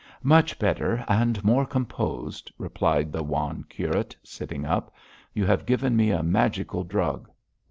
'Much better and more composed,' replied the wan curate, sitting up. 'You have given me a magical drug.'